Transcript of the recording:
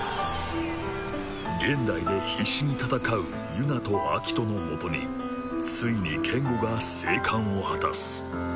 現代で必死に戦うユナとアキトのもとについにケンゴが生還を果たす。